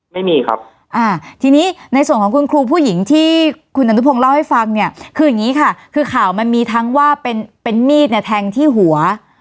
ไม่มีครับอ่าทีนี้ในส่วนของคุณครูผู้หญิงที่คุณอนุพงศ์เล่าให้ฟังเนี่ยคืออย่างนี้ค่ะคือข่าวมันมีทั้งว่าเป็นเป็นมีดเนี่ยแทงที่หัว